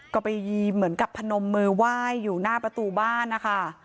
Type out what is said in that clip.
ก็ไปเหมือนกับพนมมือไหว้อยู่หน้าประตูบ้านนะคะ